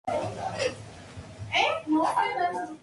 Esto es, sin embargo, muy poco probable en los próximos siglos.